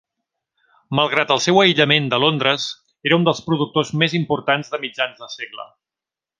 Malgrat el seu aïllament de Londres, era un dels productors més importants de mitjans de segle.